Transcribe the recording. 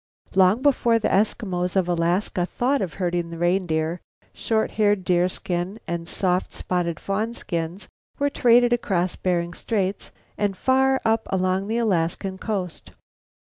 "Long before the Eskimos of Alaska thought of herding the reindeer, short haired deerskin and soft, spotted fawn skins were traded across Bering Straits and far up along the Alaskan coast.